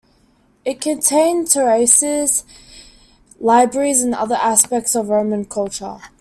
It contained terraces, libraries and other aspects of Roman culture.